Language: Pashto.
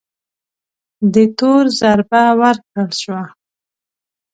دې تور ضربه ورکړل شوه